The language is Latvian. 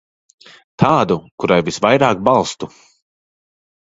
Tādu, kurai visvairāk balstu.